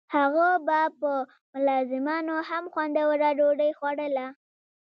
هغه به په ملازمانو هم خوندوره ډوډۍ خوړوله.